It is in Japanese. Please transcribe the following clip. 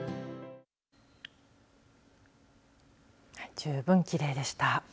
十分きれいでした。